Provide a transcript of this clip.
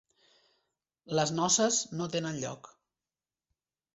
Les noces no tenen lloc.